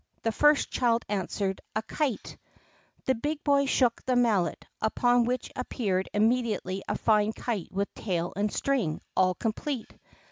The first child answered, "A kite." The big boy shook the Mallet, upon which appeared immediately a fine kite with tail and string all complete.